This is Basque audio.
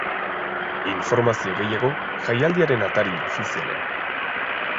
Informazio gehiago, jaialdiaren atari ofizialean.